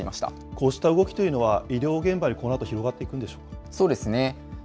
こうした動きというのは医療現場にこのあと広がっていくんでそうですね。